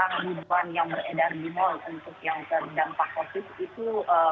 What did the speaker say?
saya mau koreksi tentang biduan yang beredar di mall untuk yang terdampak covid itu